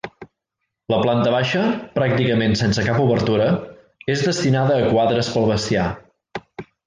La planta baixa, pràcticament sense cap obertura, és destinada a quadres pel bestiar.